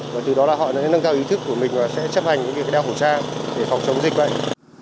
và từ đó là họ đã nâng cao ý thức của mình và sẽ chấp hành những việc đeo khẩu trang để phòng chống dịch bệnh